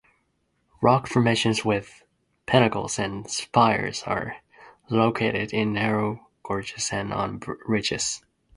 Rock formations with pinnacles and spires are located in narrow gorges and on ridges.